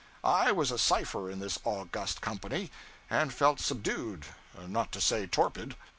I was a cipher in this august company, and felt subdued, not to say torpid.